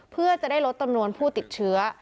เพื่อจะได้ลดจำนวนผู้ติดเชื้อ